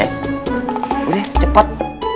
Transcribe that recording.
eh udah cepet